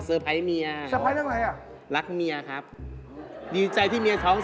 เซอร์ไพร์เมียเซอร์ไพร์เมีย